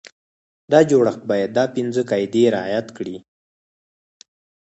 دا جوړښت باید دا پنځه قاعدې رعایت کړي.